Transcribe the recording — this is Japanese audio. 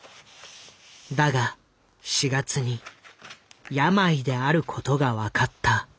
だが４月に病であることが分かった。